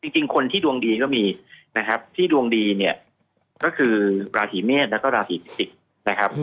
จริงคนที่ดวงดีก็มีที่ดวงดีก็คือราศีเมฆและราศีภศิกต์